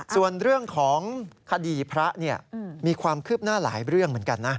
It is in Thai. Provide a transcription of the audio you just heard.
ส่วนเรื่องของคดีพระมีความคืบหน้าหลายเรื่องเหมือนกันนะ